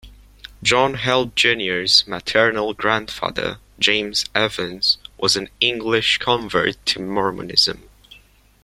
John Held Junior's maternal grandfather, James Evans, was an English convert to Mormonism.